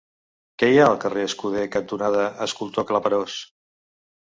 Què hi ha al carrer Escuder cantonada Escultors Claperós?